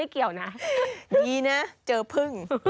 ดีนะเจอพึ่ง